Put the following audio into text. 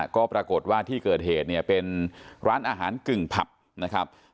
ก็ปรากฏว่าที่เกิดเหตุเนี่ยเป็นร้านอาหารกึ่งผับนะครับ